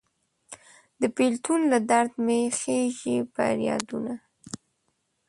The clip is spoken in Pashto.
د بیلتون له درد مې خیژي پریادونه